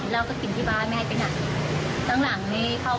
ธรรมดาเป็นคนไม่เที่ยว